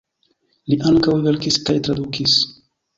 Li ankaŭ verkis kaj tradukis.